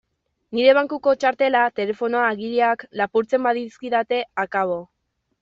Nire bankuko txartela, telefonoa, agiriak... lapurtzen badizkidate, akabo!